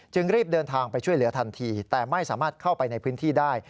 รีบเดินทางไปช่วยเหลือทันทีแต่ไม่สามารถเข้าไปในพื้นที่ได้